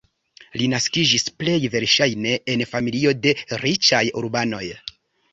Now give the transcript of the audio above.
Li naskiĝis plej verŝajne en familio de riĉaj urbanoj.